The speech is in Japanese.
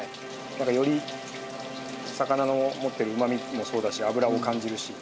なんかより魚の持ってるうまみもそうだし脂を感じるし。